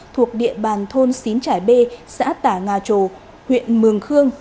thuộc địa bàn thôn xín trải b xã tả nga trồ huyện mường khương